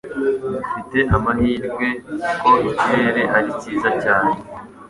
Dufite amahirwe ko ikirere ari cyiza cyane.